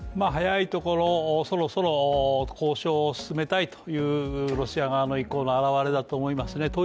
早いところ、そろそろ交渉を進めたいというロシア側の意向の表れだと思いますね。